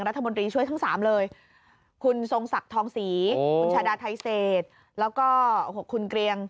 รัฐบนตรีช่วยทั้ง๓เลย